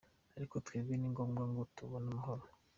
Ariko twebwe ni ngombwa ngo tubone amahoro.